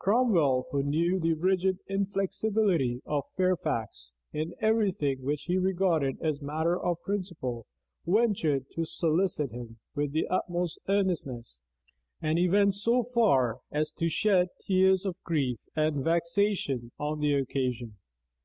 Cromwell, who knew the rigid inflexibility of Fairfax, in every thing which he regarded as matter of principle, ventured to solicit him with the utmost earnestness; and he went so far as to shed tears of grief and vexation on the occasion.